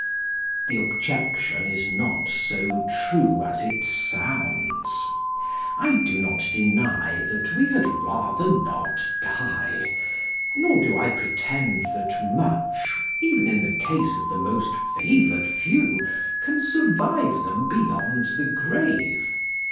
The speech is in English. The objection is not so true as it sounds. I do not deny that we had rather not die, nor do I pretend that much even in the case of the most favoured few can survive them beyond the grave.